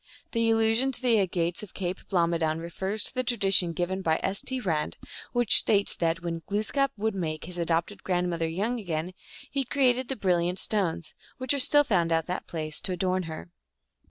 The allusion to the agates of Cape Blomidon refers to a tradition given by S. T. Rand, which states that when Glooskap would make his adopted grandmother young again he created the brilliant stones, which are still found at that place, to adorn her.